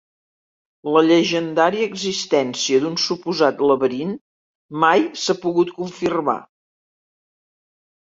La llegendària existència d'un suposat Laberint mai s'ha pogut confirmar.